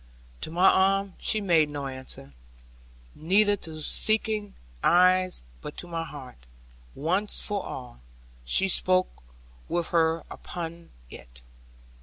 To my arm she made no answer, neither to my seeking eyes; but to my heart, once for all, she spoke with her own upon it.